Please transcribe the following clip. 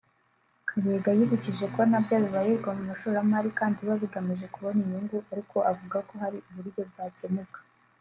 Kabega yibukije ko nabyo bibarirwa mu bashoramari kandi biba bigamije kubona inyungu ariko avuga ko hari uburyo byakemuka